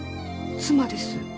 妻です。